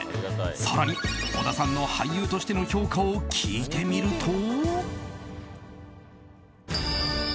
更に、小田さんの俳優としての評価を聞いてみると。